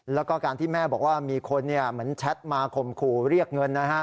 แล้วก็การที่แม่บอกว่ามีคนแชทมาคมครูเรียกเงิน